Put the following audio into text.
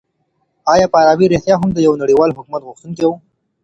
آیا فارابي رښتيا هم د يوه نړيوال حکومت غوښتونکی و؟